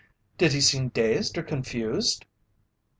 "Did he seem dazed or confused?"